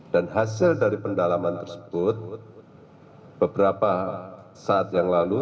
dan hasil dari pendalaman tersebut beberapa saat yang lalu